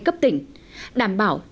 cấp tỉnh đảm bảo